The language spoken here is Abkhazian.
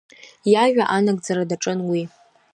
Иажәа анагӡара даҿын уи.